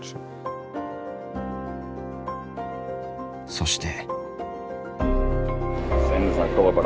そして。